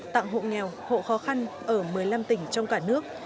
tặng hộ nghèo hộ khó khăn ở một mươi năm tỉnh trong cả nước